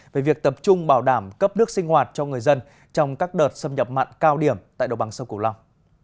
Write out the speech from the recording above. về việc tập trung bảo đảm cấp nước sinh hoạt cho người dân trong các đợt xâm nhập mặn cao điểm tại đồng bằng sông cổ long